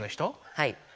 はい。